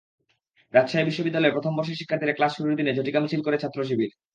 রাজশাহী বিশ্ববিদ্যালয়ে প্রথম বর্ষের শিক্ষার্থীদের ক্লাস শুরুর দিনে ঝটিকা মিছিল করেছে ছাত্রশিবির।